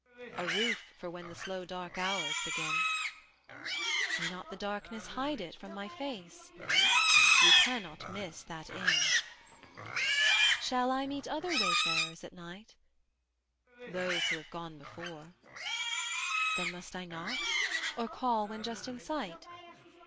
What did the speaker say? A roof for when the slow dark hours begin. May not the darkness hide it from my face? You cannot miss that inn. Shall I meet other wayfarers at night? Those who have gone before. Then must I knock, or call when just in sight?